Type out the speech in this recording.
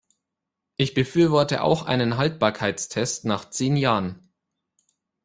Ich befürworte auch einen Haltbarkeitstest nach zehn Jahren.